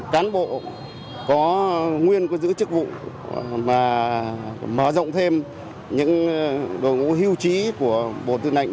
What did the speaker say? cán bộ có nguyên có giữ chức vụ mà mở rộng thêm những đồ ngũ hưu trí của bộ tư lệnh